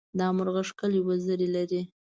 دا مرغه ښکلې وزرې لري.